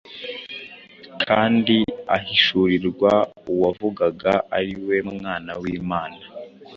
kandi ahishurirwa Uwavugaga- ari we Mwana w’Imana.